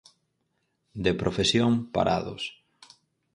De profesión: parados.